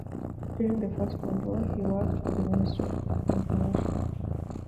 During the First World War he worked for the Ministry of Information.